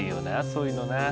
そういうのな。